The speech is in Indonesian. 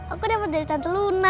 aku dapat dari tante luna